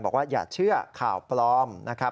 อย่าเชื่อข่าวปลอมนะครับ